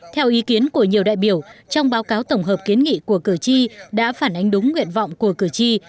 theo ý kiến của nhiều đại biểu trong báo cáo tổng hợp kiến nghị của cử tri đã phản ánh đúng nguyện vọng của cử tri